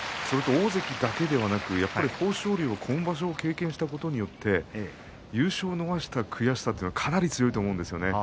大関だけではなく豊昇龍が今場所経験したことによって優勝を逃した悔しさというのがかなり強いと思うんですね。